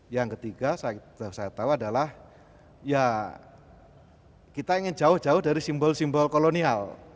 yang ketiga saya tahu adalah ya kita ingin jauh jauh dari simbol simbol kolonial